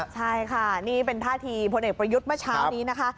ใช่ค่ะนี่เป็นท่าทีพลเอกประยุทธ์เมื่อเช้านี้นะคะ